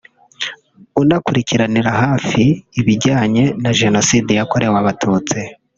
unakurikiranira hafi ibijyanye na jenoside yakorewe Abatutsi